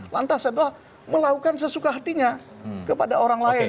lantas adalah melakukan sesuka hatinya kepada orang lain